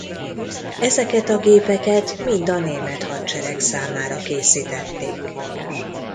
Ezeket a gépeket mind a német hadsereg számára készítették.